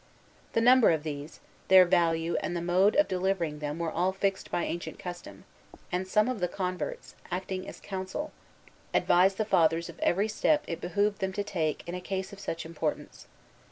The number of these, their value, and the mode of delivering them were all fixed by ancient custom; and some of the converts, acting as counsel, advised the Fathers of every step it behooved them to take in a case of such importance.